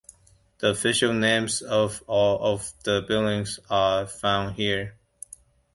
The official names of all of the buildings are found here.